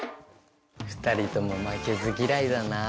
２人とも負けず嫌いだなぁ。